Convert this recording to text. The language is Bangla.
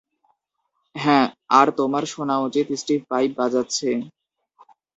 হ্যাঁ, আর তোমার শোনা উচিত স্টিভ পাইপ বাজাচ্ছে।